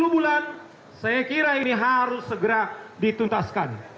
sepuluh bulan saya kira ini harus segera dituntaskan